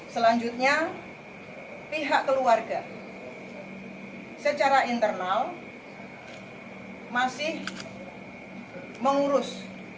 selanjutnya pihak keluarga secara internal masih mengurus